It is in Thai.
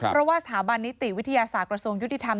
เพราะว่าสถาบันนิติวิทยาศาสตร์กระทรวงยุติธรรม